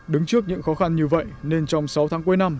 đứng trước những khó khăn như vậy nên trong sáu tháng cuối năm